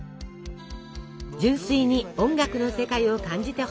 純粋に音楽の世界を感じてほしい！